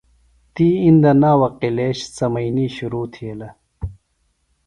تی اِندہ ناوہ قِلعے سمئنی شِرو تِھیلہ